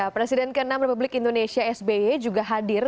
presiden ke enam republik indonesia sby juga hadir